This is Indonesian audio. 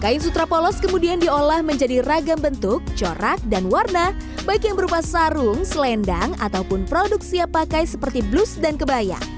kain sutra polos kemudian diolah menjadi ragam bentuk corak dan warna baik yang berupa sarung selendang ataupun produk siap pakai seperti blus dan kebaya